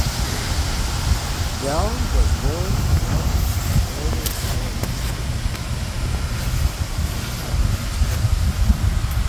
Bell was born in Belfast, Northern Ireland.